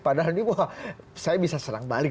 padahal ini bahwa saya bisa serang balik